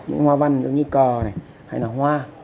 những hoa văn giống như cờ này hay là hoa